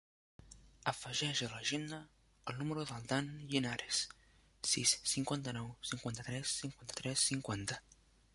Afegeix a l'agenda el número del Dan Llinares: sis, cinquanta-nou, cinquanta-tres, cinquanta-tres, cinquanta.